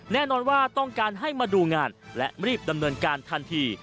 แน่นอนว่าต้องการให้มาดูงานและรีบดำเนินการทันที